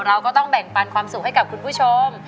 เราก็ต้องแบ่งปันความสุขให้กับคุณผู้ชม